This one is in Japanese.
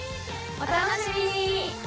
お楽しみに！